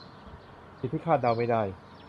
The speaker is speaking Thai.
สิ่งที่คาดเดาไม่ได้